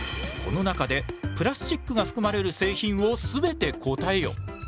この中でプラスチックが含まれる製品を全て答えよ。